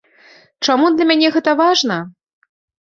Чаму для мяне гэта важна?